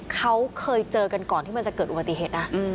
เขาเคยเจอกันก่อนที่มันจะเกิดอุบัติเหตุนะ